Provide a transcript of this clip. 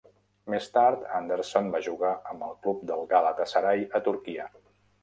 Més tard, Anderson va jugar amb el club del Galatasaray a Turquia.